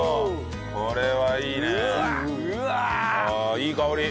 いい香り。